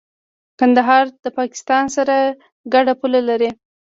کندهار د پاکستان سره ګډه پوله لري.